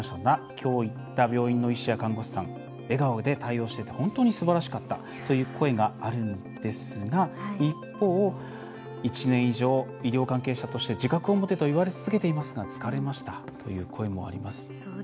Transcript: きょう行った病院の医師や看護師さん、笑顔で対応してて本当にすばらしかった」という声があるんですが、一方「１年以上、医療関係者として自覚を持てと言われ続けていますが疲れました」という声もあります。